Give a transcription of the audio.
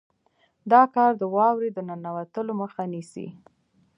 دا کار د واورې د ننوتلو مخه نیسي